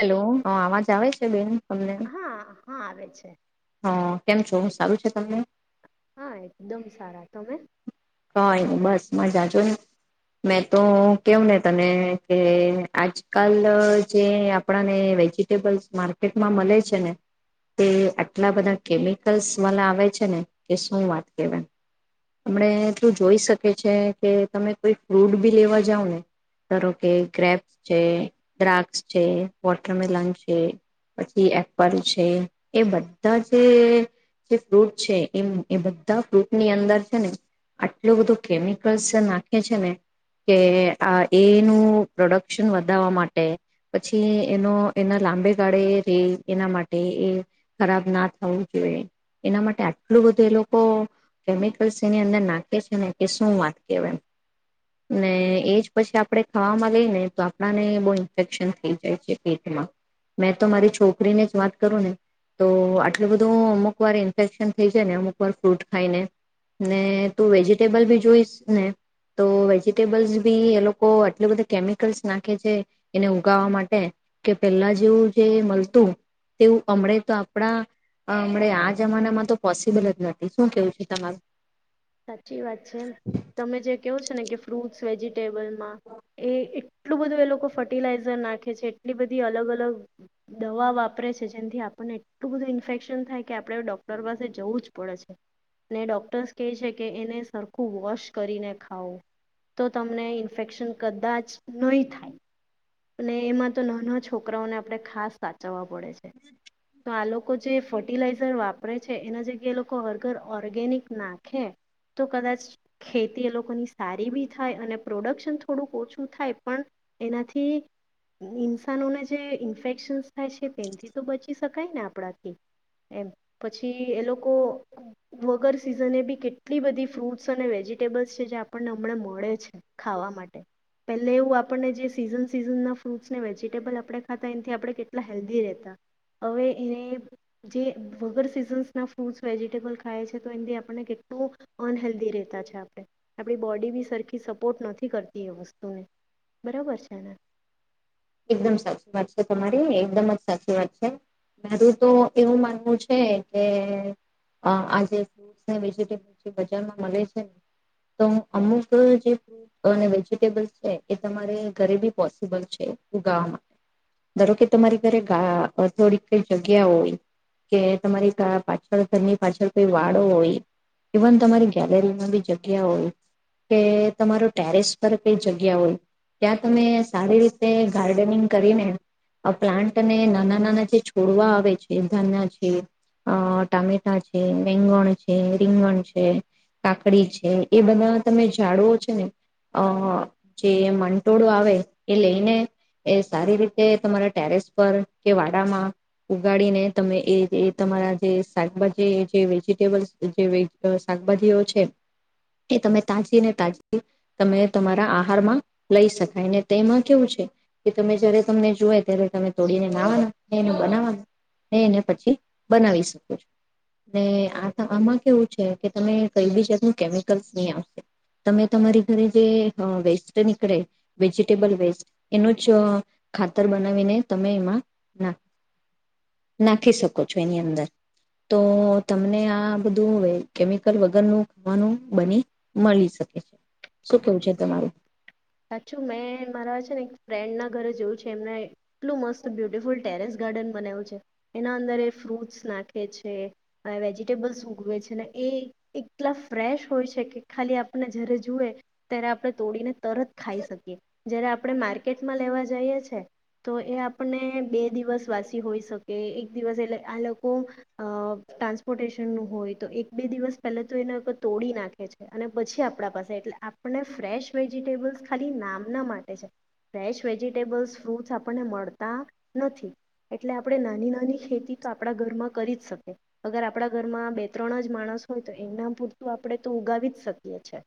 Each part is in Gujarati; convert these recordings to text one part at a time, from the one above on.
હેલો હ આવાજ આવેછે છે બેન હા હા આવે છે. હા કેમ છો સારું છે તમને હા એકદમ સારા તમે હય હું બસ મજા જો ને મેં તો કેવ ને તને કે આજકાલ જે આપણને વેજીિટેબલ્સ માર્કેટમાં મળે છે ને તે આટલા બધા કેમિકલ્સ વાળા આવે છે ને કે શું વાત કેહેવાયમ જોઈ શકે છે કે તમે કોઈ ફ્રૂટ બી લેવા જાવ ને ધારો કે ગ્રેપ્સ છે દ્રાક્ષ છે વોટરમેલન છે પછી એપલ છે એ બધા જે ફ્રૂટ છે એ એ બધા ફ્રૂટની અંદર છે ને આટલું બધું કેમિકલ્સ નાખે છે ને કે આ એનું પ્રોડક્શન વધાવા માટે પછી એનો એના લાંબે ગાળે ર એના માટે એ ખરાબ ના થવું જોઈએ એના માટે આટલું બધું એ લોકો કેમિકલ્સ એની અંદર નાખે શું વાત કે ને એજ પછી આપણે ખાવામાં લઈ ને તો આપણાને બહુ ઇન્ફેક્શન થઈ જાય છે પેટમાં મેં તો મારી છોકરીને જ વાત કરું ને તો આટલું બધું અમુક વાર ઇન્ફેક્શન થઈ જાય ને અમુક વાર ફ્રૂટ ખાઈને ને તું વેજિટેબલ બી જોઈશ ને તો વેજીિટેબલ્સ બી એ લોકો આટલ બધા કેમિકલ્સ નાખે છે એને ઉગાવા માટે કે પેલા જેવું જે મળતું તેવું હમણે તો આપણા હમ આ જમાનામાં તો પોસિબલ જ નથી શું કેવું છે તમારું સાચી વાત છે તમે જે કેવો છો કે ફ્રૂટસ વેજ ટેબલમાં એ એટલું બધું એ લોકો ફર્ટિલાઇઝર નાખે છે એટલી બધી અલગ અલગ દવા વાપરે છે જેથી આપણને એટલું બધું ઇન્ફેક્શન થાય કે આપણે ડોક્ટર પાસે જવું જ પડે છે ને ડોક્ટર્સ કે છે કે એને સરખું વોશ કરીને ખાવું તો તમને ઇન્ફેક્શન કદાચ નહીં થાય અને એમાં તો ના ના છોકરાઓને આપડે ખાસ સાચવવા પડે છે તો આ લોકો લોકો જે ફર્ટિલાઇઝર વાપરે છે એના જગ્યાએ એ લોકો વગર ઓર્ગેનિક નાખે તો કદાચ ખેતી એ લોકોની સારી બી થાય અને પ્રોડક્શન થોડુંક ઓછું થાય પણ એનાથી થી ઇન્સાનોને જે ઇન્ફેક્શન્સ થાય છે તેથી તો બચી શકાય ને આપણાથી એમ પછી એ લોકો વગર સિઝને બી કેટલી બધી ફ્રૂટ્સ અને વેજીટેબલ્સ છે જે આપણને હમણાં મળે છે ખાવા માટે પહેલે એવું આપણને જે સીઝન સીઝન્સના ફ્રૂટ્સ ને વેજીટેબલ આપણે ખાતા એથી આપણે કેટલા હેલ્ધી રહેતા હવે એ જે વગર સીઝન્સના ફ્રૂટ્સ વેજીિટેબલ ખાય છે તો એથી આપણને કેટલું અનહેલ્ધી રહેતા છે આપણે આપણી બોડી બી સરખી સપોર્ટ નથી કરતી એ વસ્તુને બરાબર છેને એકદમ સાચી વાત છે તમારી એકદમ જ સાચી વાત છે મારું તો એવું માનવું છે કે અઆજે ફ્રટ વેજીિટેબ જે બજારમાં મળે છે તો અમુક જે ફ્રૂટ અને વેજીિટેબલ્ છે એ તમારે ઘરેબી પોસિબલ છે ઉગા ધારો કે તમારી ઘરેા થોડી કઈ જગ્યા હોય કે તમારી પાછળ ઘરની પાછળ કઈ વાળો હોય ઇવન તમારી ગેલેરીમાં બી જગ્યા હોય કે તમારો ટેરેસ પર કઈ જગ્યા હોય ત્યાં તમે સારી રીતે ગાર્ડનિંગ કરીને પ્લાન્ટને નાના નાના જે છોડવા આવે છે ધાના છે અ ટામેટા છે વેંગણ છે રીંગણ છે કાકડી છે એ બધા તમે ઝાડુઓ છે ને અ જે મંટોળો આવે એ લઈને એ સારી રીતે તમારા ટેરેસ પર કે વાડામાં ઉગાડીને તમે એ તમારા જે શાકભાજી જે વેજીિટેબલ્ જે શાકભાજીઓ છે એ તમે તાજીને તાજી તમે તમારા આહારમાં લઈ શકાય ને તેમાં કેવું છે કે તમે જય્યારે તમને જોય ત્યારે તમે તોડીને નાવાના ને એને બનાવાના ને એને પછી બનાવી શકો છો ને આ આમાં કેવું છે કે તમે કઈ બી જાતનું કેમિકલ્સ નહીં આવશે તમે તમારી ઘરે જે વેસ્ટ નીકળે વેજીિટેબલ વેસ્ટ એનું જ ખાતર બનાવીને તમે એમાં નાખ નાખી શકો છો એની અંદર તો તમને આ બધું કેમિકલ વગરનું ખાવાનું બની મળી શકે છે શું કેવું છે તમારું સાચું મેં મારા છે ને એક ફ્રેન્ડના ઘરે જોયું છે એમને એટલું મસ્ત બ્યુટિફુલ ટેરેસ ગાર્ડન બનાવ્યું છે એના અંદર એ ફ્રૂટ્સ નાખે છે વેજીિટેબલ્સ ઉગવે છે ને એ એટલા ફ્રેશ હોય છે કે ખાલી આપણને જારે જુએ ત્યારે આપણે તોડીને તરત ખાઈ શકીએ જ્યારે આપણે માર્કેટમાં લેવા જઈએ છે તો એ આપણે બે દિવસ વાસી હોઈ શકે એક દિવસ એટલે આ લોકો અ ટ્રાન્સપોર્ટેશનનું હોય તો એક બે દિવસ પહેલા તો એને લોકો તોડી નાખે છે અને પછી આપણા પાસે એટલે આપને ફ્રેશ વેજ વેજટેબલ્સ ખાલી નામના માટે છે ફ્રેશ વેજીિટેબલ્સ ફ્રૂટ્સ આપણને મળતા નથી એટલે આપણે નાની નાની ખેતી તો આપણા ઘરમાં કરી જ શકીએ અગર આપણા ઘરમાં બે ત્રણ જ માણસ હોય તો એમના પૂરતું આપણે તો ઉગાવી જ શકીએછીએ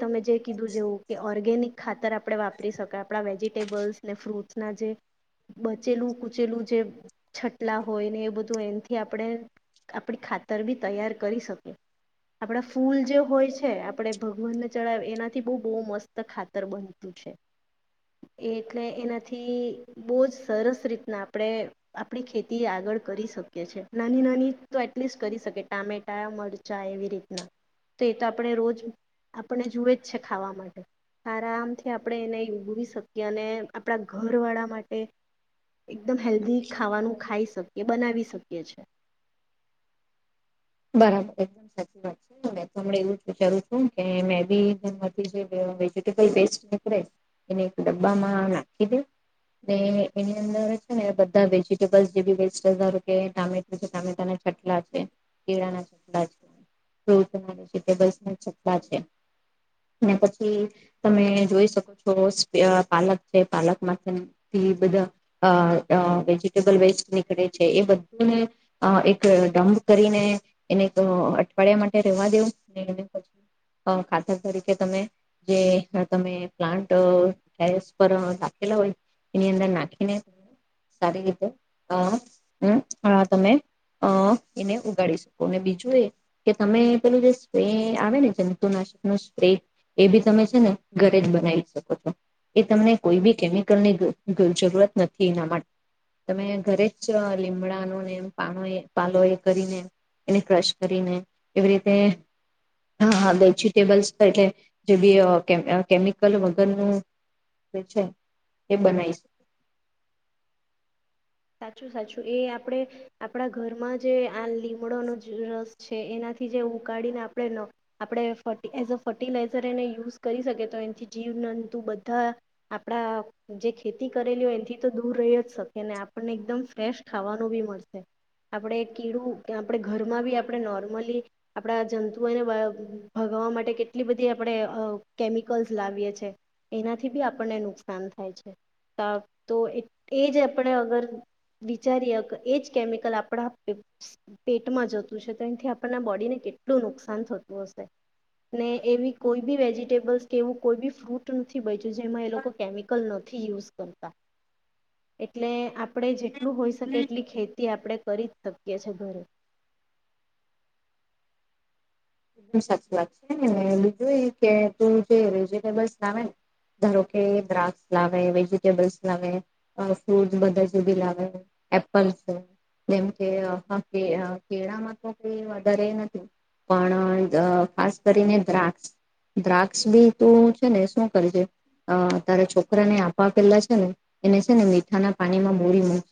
તમે જે કીધું જેવું કે ઓર્ગેનિક ખાતર આપણે વાપરી શકાય આપણા વેજીિટેબલ્સ ને ફ્રૂટ્સના જે બચેલું કૂચેલું જે છટલા હોય ને એ બધું એનાથી આપણે આપણી ખાતર બી તૈયાર કરી શકીએ આપણા ફૂલ જે હોય છે આપણે ભગવાનને ચડાવ એના થી બહ બહુ મસ્ત ખાતર બનતું છે એ એટલે એનાથી બહુ જ સરસ રીતના આપણે આપણી ખેતી આગળ કરી શકીએ છીએ નાની નાની તો એટલીસ્ટ કરી શકીએ ટામેટા મરચા એવી રીતના તો એ તો આપણે રોજ આપણે જૂએ ખાવા માટે આરામથી આપણે એને ઉગવી શકીએ અને આપણા ઘર વાળા માટે એકદમ હેલ્ધી ખાવાનું ખાઈશ બનાવી શકીએ છે બરાબર સાચી વાત છે મે એવું જ વિચારું છું કે મે બીથી જે વેજટેબલ વેસ્ટ નીકળે એ એક ડબ્બામાં નાખી દે એની અંદર છે ને બધાેજીબ જેાર કેમે ટમેટાટલા છે ફબ ના ચટલા છે ને પછી તમે જોઈ શકો છો પાલક છે પાલક થી બધા વેજીિટેબલ વેસ્ટ નીકળે છે એ બધુંને એક ડમ્પ કરીને એને અઠવાડિયા માટે રેવા દેવ અને એને પછી ખાતર તરીકે તમે જે તમે પ્લાન્ટસ પર રાખેલા હોય એની અંદર નાખીને સારી રીતે અ તમે અ એને ઉગાડી શકો. બીજું એ કે તમે પેલું જે સ્પ્રે આવે ને જંતુનાશક ન સ્પ્રે એ બી તમે છે ને ઘરે જ બનાવી શકો છો એ તમને કોઈ બી કેમિકલ ની જરૂરત નથી એના માટે તમે ઘરે જ લીમડાનો ને પાનો એ પાલો એ કરીને એને ક્રશ કરીને એવી રીતે વેજીિટેબલ્સ એટલે જે બી કેમિકલ વગરનું જે છે એ બનાવી શકે. સાચું સાચું એ આપણે આપણા ઘરમાં જે આ લીમડોનો રસ છે એનાથી જે ઉકાળીને આપણે આપણે ફ એઝ અ ફર્ટિલાઈઝર એને યુઝ કરી શકીએ તો એથી જીવનંતુ બધા આપણા જે ખેતી કરેલી હોય એનાથી તો દૂર રહી જ શકે ને. આપણને એકદમ ફ્રેશ ખાવાનું બી મળશે આપણે કીડું આપણે ઘરમાં બી આપણે નોર્મલી આપણા જંતુઓને ભગવા માટે કેટલી બધી આપણે કેમિકલ્સ લાવીએ છીએ એનાથી બી આપણને નુકસાન થાય છે તો એ એ જ આપણે અગર વિચારએ કે એ જ કેમિકલ આપણા પેટમાં જતું છે તો એથી આપણના બોડીને કેટલું નુકસાન થતું હશે ને એવી કોઈ બી વેજીિટેબલ્સ કે એવું કોઈ બી ફ્રૂટ નથી બચ્યું જેમાં એ લોકો કેમિકલ નથી યુઝ કરતા એટલે આપણે જેટલું હોઈ અને શકે એટલી ખેતી આપણે કરી જ શકીએ છેએ ઘરે. સાચું લાગશે એને બીજું એ કે તું જે વેજીિટેબલ્સ લાવે ને ધારો કે દ્રાક્ષ લાવે વેજીિટેબલ્સ લાવે ફ્રૂટ બધા જ બી લાવે એપલસ જેમ કે કેળામાં તો કોઈ વધારે નથી પણ ખાસ કરીને દ્રાક્ષ દ્રાક્ષ બી તું છે ને શું કરજે તારેા છોકરાને આપવા પેલા છે ને એને છે ને મીઠાના પાણીમાં બોરી મૂકજ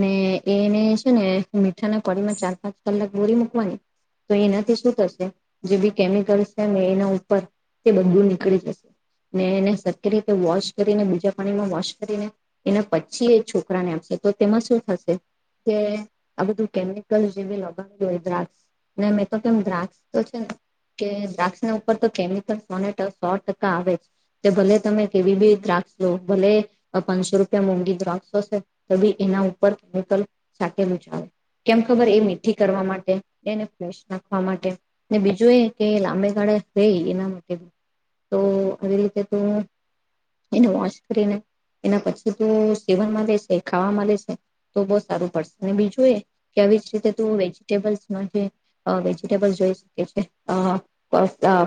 ને એને છે ને મીઠાના પાણીમાં ચાર પાંચ કલાક બોરી મૂકવાની તો એ નથી શ થશે. જે બી કેમિકલ છે એના ઉપર તે બધું નીકળી જશે ને એને સર્ય રીતે વોશ કરીને બીજા પાણીમાં વોશ કરીને એને પછી એ છોકરાને આપશે તો તેમાં શું થશે કે આ બધું કેમિકલ્ જેવી લગાવું હોય દ્રાક્ષ મે તો કેમ દ્રાક્ષ કે દ્રાક્ષ ના ઉપર તો કેમિકલ સોને સો ટકા આવે જ તે ભલે તમે કેવી બી દ્રાક્ષ ભલે પાંચસો રૂપિયા મોંઘી દ્રાક્ષોશે તો બી એના ઉપર કેમિકલ સાકેલું જ આવે કેમ ખબર એ મીઠી કરવા માટે એને ફેશ નાખવા માટે બીજું એ કે લાંબે ગાળે રે એના માટે તો આવી રીતે તું એને વોશ કરીને એના પછી ત સેવનમાં લે છે ખાવાવામાં લે છે તો બહ સારું પડશે અને બીજું એ કે આવી જ રીતે તું વેજીટેબસ જે વેજીટેબલ જોઈ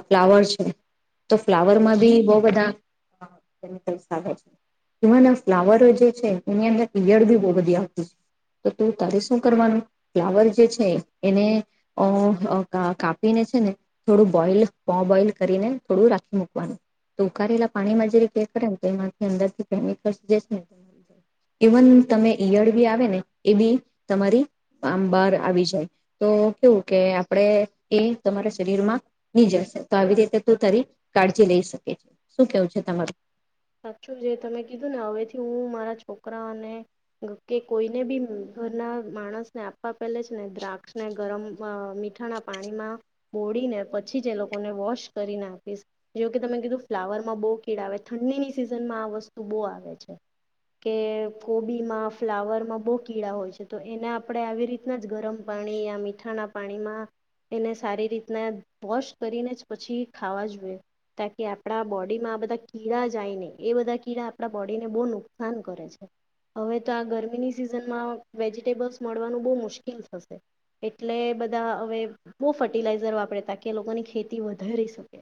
ફ્લાવર છે તો ફ્લાવરમાં બી બહ બધા કેમિકલ્સ આવે છેન ફ્લાવર જે છે એની અંદર યડ બી બહ બધી આવતી છે તો તું તારે શું કરવાનું ફ્લાવર જે છે એને કાપીને ને થોડું બોઈલ બોઇલ કરીને થોડું રાખી મૂકવાનું તો ઉકારેલા પાણીમાં જે રીતે કરે ને તો એમાંથી અંદરથી કેમિકને ઇવન તમે ઈયળ બી આવે ને એ બી તમારી આં બાર આવી જાય તો કેવું કે આપણે એ તમારા શરીરમાં ની જળશે તો આવી રીતે તું તારી કાળજી લઈ શકે છે શું કેવું છે તમારું? સા જે તમે કીધું ને હવેથી હું મારા છોકરાને કે કોઈને બી ઘરના માણસ ને આપવા પેલે છે ને દ્રાક્ષને ગરમ મીઠાના પાણીમાં બોળીને પછી જ એ લોકોને વોશ કરીને આપીશ જે કે તમે કીધું ફ્લાવર માં બહુ કીડા હોય. ઠંડીની સિઝનમાં આ વસ્તુ બહુ આવે છે કે કોબીમાં ફ્લાવરમાં બહુ કીળા હોય છે તો એને આપણે આવી રીતના જ ગરમ પાણી યા મીઠાના પાણીમાં એને સારી રીતના વોશ કરીને જ પછી ખાવા જોઈએ તાકી આપણા બોડીમાં આ બધા કીડા જાય નહીં. એ બધા કીડા આપણા બોડીને બહુ નુકસાન કરે છે હવે તો આ ગરમીની સિઝનમાં વેજીિટેબલ્સ મળવાનું બહુ મુશ્કેલ થશે એટલે બધા હવે બહુ ફર્ટિલાઇઝર વાપરે તા કે લોકોની ખેતી વધારી શકે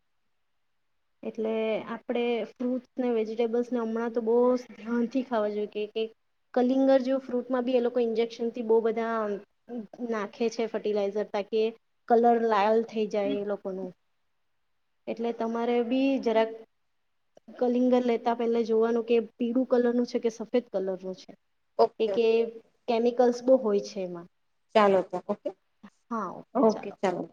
એટલે આપણે ફ્રૂટ ને વેજીિટેબલ્સને હમણાં તો બહુ ધ્યાનથી ખાવા જોઈએ કે કલિંગર જે ફ્રૂટમાં બી એ લોકો ઇન્જેક્શનથી બહુ બધા નાખે છે ફર્ટિલાઇઝર તા કે કલર લાયલ થઈ જાય એ લોકોનું એટલે તમારે બી જરાક કલિંગર લેતા પેલા જોવાનું કે પીળું કલર નું છે કે સફેદ કલર નું છે. કે ઓકે કે ઓકે કેમિકલ્સ બહ હોય છે. એમાં ચાલો તો ઓકે ઓકે ચાલો.